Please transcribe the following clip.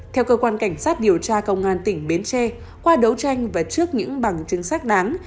theo cơ quan cảnh sát điều tra công an tỉnh bến tre qua đấu tranh và trước những bằng chứng xác đáng